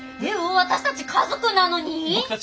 僕たち家族候補なのに？